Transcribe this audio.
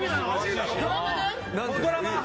ドラマで？